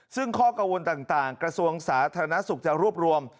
ซึ่งข้อกังวลต่างกระทรวงสาธารณสุขจะรวบรวม